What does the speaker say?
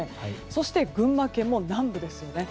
そして、群馬県の南部ですね。